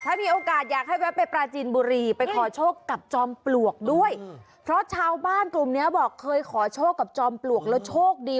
ถ้ามีโอกาสอยากให้แวะไปปราจีนบุรีไปขอโชคกับจอมปลวกด้วยเพราะชาวบ้านกลุ่มเนี้ยบอกเคยขอโชคกับจอมปลวกแล้วโชคดี